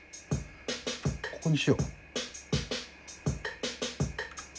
ここにしよう。